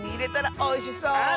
おいしそう！